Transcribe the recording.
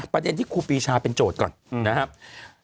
ประเด็นที่ครูปีชาเป็นโจทย์ก่อนนะครับ